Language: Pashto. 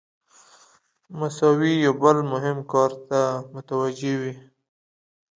مساوي یو بل مهم کار ته متوجه وي.